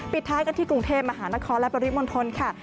ท้ายกันที่กรุงเทพมหานครและปริมณฑลค่ะ